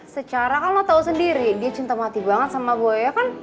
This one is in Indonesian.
secara kan lo tau sendiri dia cinta mati banget sama boy ya kan